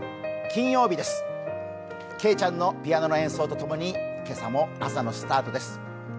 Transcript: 金曜日です、けいちゃんのピアノの演奏とともに今朝も、朝のスタートです。